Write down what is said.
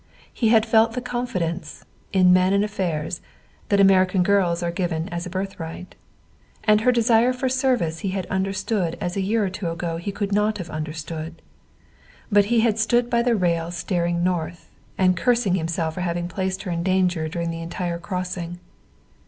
He had felt the confidence, in men and affairs, that American girls are given as a birthright. And her desire for service he had understood as a year or two ago he could not have understood. But he had stood by the rail staring north, and cursing himself for having placed her in danger during the entire crossing.